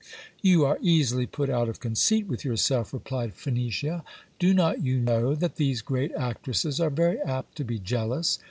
You are easily put out of conceit with yourself, replied Phenicia. Do not you know that these great actresses are very apt to be jealous?